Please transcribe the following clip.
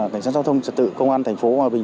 cảnh sát giao thông trật tự công an thành phố hòa bình